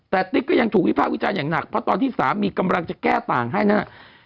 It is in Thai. แต่ติ๊กก็ยังถูกวิภาควิจารณ์อย่างหนักเพราะตอนที่สามีกำลังจะแก้ต่างให้นะครับ